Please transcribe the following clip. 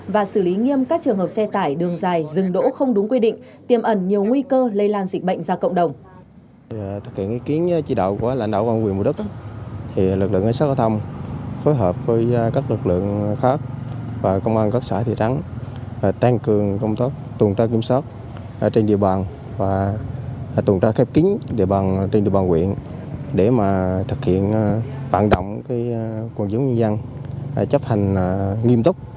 và xử lý nghiêm các trường hợp xe tải đường dài dừng đỗ không đúng quy định tiêm ẩn nhiều nguy cơ lây lan dịch bệnh ra cộng đồng